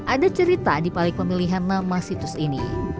ada cerita di balik pemilihan nama situs ini